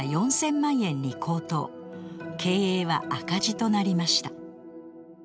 経営は赤字となりました。